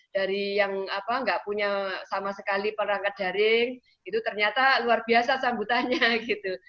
dari yang nggak punya sama sekali perangkat daring itu ternyata luar biasa sambutannya gitu